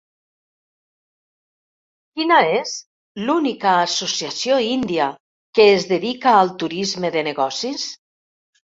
Quina és l'única associació índia que es dedica al turisme de negocis?